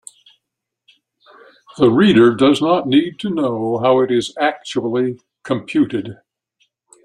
The reader does not need to know how it is actually computed.